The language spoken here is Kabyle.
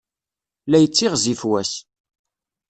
La yettiɣzif wass.